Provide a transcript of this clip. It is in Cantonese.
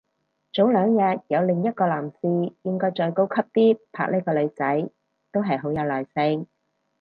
早兩日有另一個男士應該再高級啲拍呢個女仔，都係好有耐性